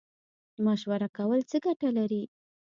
مشوره کول څه ګټه لري؟